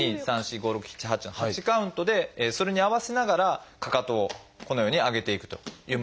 １２３４５６７８の８カウントでそれに合わせながらかかとをこのように上げていくというものになります。